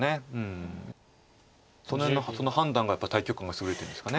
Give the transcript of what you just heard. その辺の判断がやっぱり大局観が優れてるんですか。